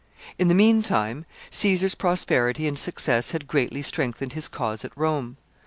] In the mean time, Caesar's prosperity and success had greatly strengthened his cause at Rome.